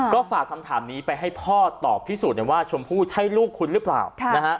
ก็ฝากคำถามนี้ไปให้พ่อตอบพิสูจน์ว่าชมพู่ใช่ลูกคุณหรือเปล่านะฮะ